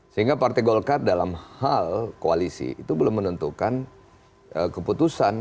sehingga partai golkar dalam hal koalisi itu belum menentukan keputusan